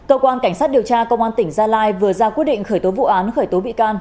cơ quan cảnh sát điều tra công an tỉnh gia lai vừa ra quyết định khởi tố vụ án khởi tố bị can